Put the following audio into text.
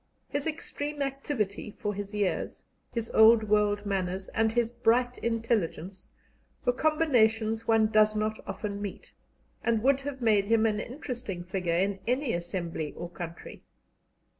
His extreme activity for his years, his old world manners, and his bright intelligence, were combinations one does not often meet, and would have made him an interesting figure in any assembly or country.